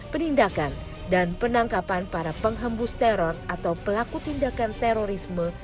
penindakan dan penangkapan para penghembus teror atau pelaku tindakan terorisme